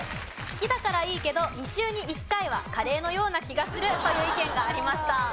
好きだからいいけど２週に１回はカレーのような気がするという意見がありました。